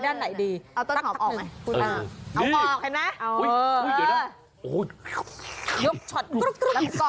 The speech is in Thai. ถ้าเอาต้นหอมออกไหน